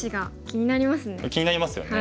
気になりますよね。